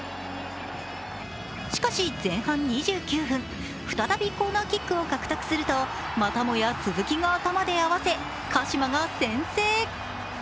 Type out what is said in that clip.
しかし前半２９分、再びコーナーキックを獲得するとまたもや鈴木が頭で合わせ鹿島が先制。